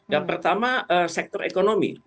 dan pertama sektor ekonomi